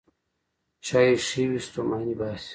چای ښې وې، ستوماني باسي.